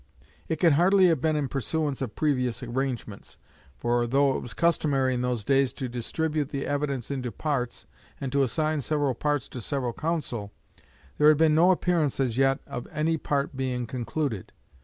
It can hardly have been in pursuance of previous arrangements; for though it was customary in those days to distribute the evidence into parts and to assign several parts to several counsel, there had been no appearance as yet of any part being concluded.